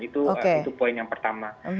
itu poin yang pertama